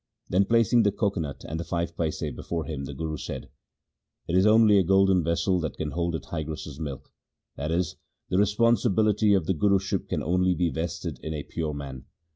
Then placing the coco nut and the five paise before him the Guru said, ' It is only a golden vessel that can hold a tigress's milk' — that is, the responsibility of the Guruship can only be vested in a pure man.